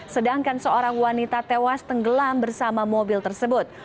sedangkan seorang wanita tewas tenggelam bersama mobil tersebut